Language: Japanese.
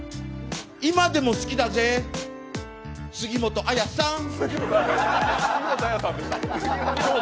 今でも好きだぜ、杉本彩さん。